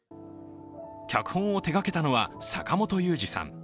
脚本を手がけたのは坂元裕二さん。